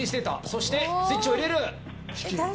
そしてスイッチを入れる。